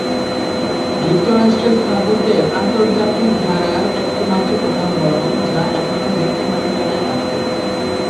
যুক্তরাষ্ট্রে স্থাপত্যের আন্তর্জাতিক ধারার একটি মাত্র উদাহরণ যা এখনো ব্যক্তি মালিকানায় আছে।